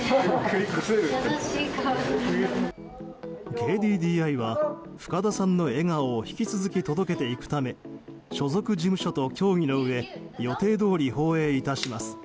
ＫＤＤＩは深田さんの笑顔を引き続き届けていくため所属事務所と協議のうえ予定どおり放映致します。